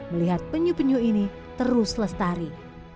melihat penyu penyu ini terus lestari